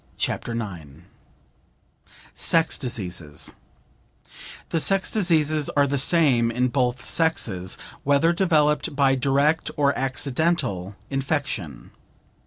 CHAPTER IX SEX DISEASES The sex diseases are the same in both sexes, whether developed by direct or accidental infection.